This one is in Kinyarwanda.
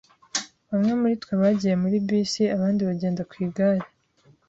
Bamwe muri twe bagiye muri bisi, abandi bagenda ku igare.